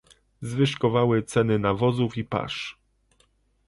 Zwyżkowały ceny nawozów i pasz